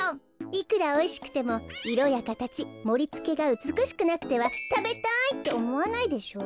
いくらおいしくてもいろやかたちもりつけがうつくしくなくては「たべたい！」っておもわないでしょ？